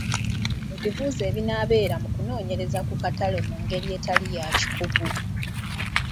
Ebibuuzo ebinaabeera mu kunoonyereza ku katale mu ngeri etali ya kikugu